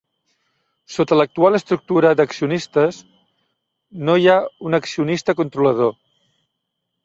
Sota l'actual estructura d'accionistes, no hi ha un accionista controlador.